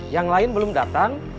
yang lain belum datang